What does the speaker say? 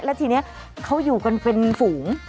แล้วทีนี้เขาอยู่กันเป็นฝูง